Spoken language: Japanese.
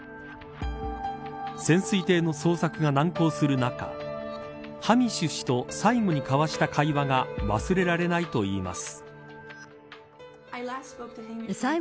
潜水艇の捜索が難航する中ハミッシュ氏と最後に交わした会話が忘れられないといいます。